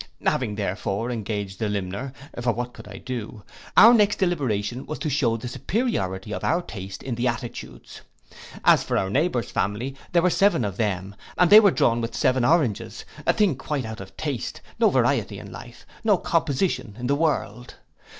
Having, therefore, engaged the limner, for what could I do? our next deliberation was to shew the superiority of our taste in the attitudes. As for our neighbour's family, there were seven of them, and they were drawn with seven oranges, a thing quite out of taste, no variety in life, no composition in the world.